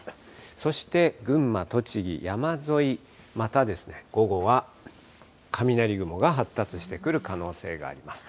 そして群馬、栃木、山沿い、またですね、午後は雷雲が発達してくる可能性があります。